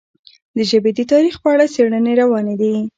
د ژبې د تاریخ په اړه څېړنې روانې دي.